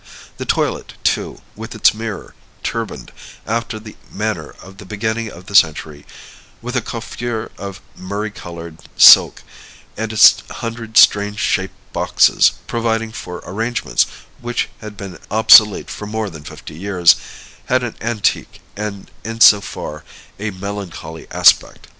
The toilet, too, with its mirror, turbaned, after the manner of the beginning of the century, with a coiffure of murrey colored silk, and its hundred strange shaped boxes, providing for arrangements which had been obsolete for more than fifty years, had an antique, and in so far a melancholy aspect.